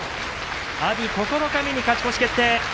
阿炎、九日目に勝ち越し決定。